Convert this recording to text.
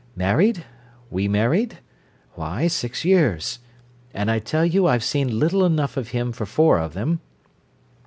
Married? We married? Why, six years. And I tell you I've seen little enough of him for four of them.